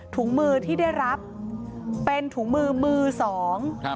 ถุงมือที่ได้รับเป็นถุงมือมือมือสองครับ